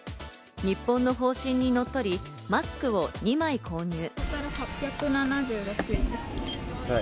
日本の方針にのっとり、マスクを２枚購入。